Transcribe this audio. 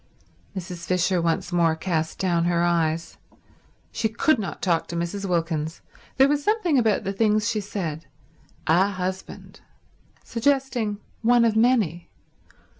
Mrs. Fisher once more cast down her eyes. She could not talk to Mrs. Wilkins. There was something about the things she said. .. "A husband." Suggesting one of many.